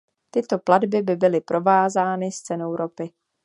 Tyto platby by byly provázány s cenou ropy.